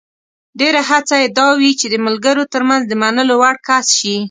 ډېره هڅه یې دا وي چې د ملګرو ترمنځ د منلو وړ کس شي.